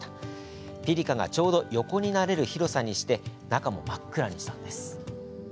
ピリカがちょうど横になれる広さにして中も真っ暗にしたんです。